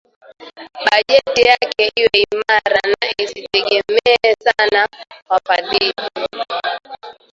bajeti yake iwe imara na isitegemee sana wafadhili